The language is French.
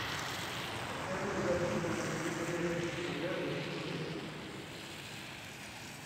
Elle permet aux adultes ainsi qu'aux les élèves du secondaire de suivre des cours.